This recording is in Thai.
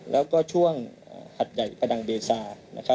แล้วก็ช่วงหัดใหญ่พระดังเบซา